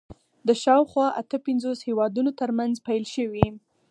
د شاوخوا اته پنځوس هېوادونو تر منځ پیل شوي